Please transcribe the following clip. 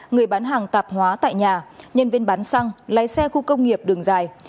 người bán hàng tạp hóa tại nhà nhân viên bán xăng lái xe khu công nghiệp đường dài